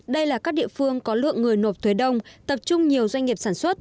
đây là các địa phương có lượng người nộp thuế đông tập trung nhiều doanh nghiệp sản xuất